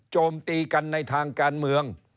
โจมตีกันในทางการเมือง